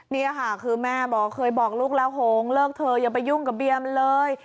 นี่ค่ะคือแม่บอกเคยบอกลูกแล้วโหงเลิกเธออย่าไปยุ่งกับเบียมันเลย